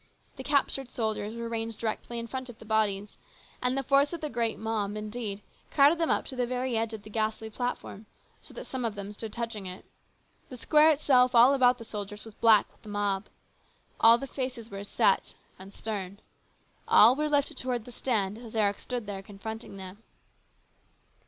The captured soldiers were ranged directly in front of the bodies, and the force of the great mob, indeed, crowded them up to the very edge of the ghastly platform so that some of them stood touching it. The square itself all about the soldiers was black with the mob. All the faces were set and stern. All were lifted towards the stand as Eric stood there confronting them.